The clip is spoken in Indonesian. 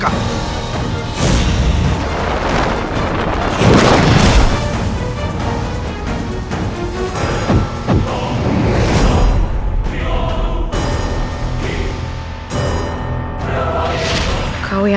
tidak bisa geben